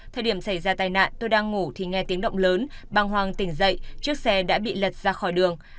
thời điểm xảy ra tai nạn tôi đang ngủ thì nghe tiếng động lớn băng hoàng tỉnh dậy chiếc xe đã bị lật ra khỏi đường